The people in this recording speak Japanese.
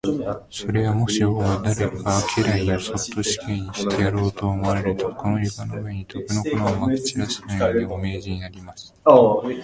それは、もし王が誰か家来をそっと死刑にしてやろうと思われると、この床の上に、毒の粉をまき散らすように、お命じになります。